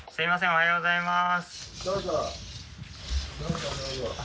おはようございます。